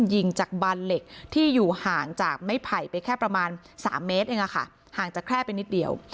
ยิงจากบานเหล็กที่อยู่ห่างจากไม้ไผ่ไปแค่ประมาณ๓เมตรเองห่างจากแคร่ไปนิดเดียว